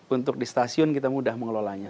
untuk di stasiun kita mudah mengelolanya